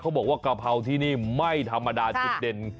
บอกว่ากะเพราที่นี่ไม่ธรรมดาจุดเด่น